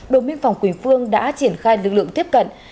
đồn biên phòng quỳ phương đã triển khai lực lượng tiếp cận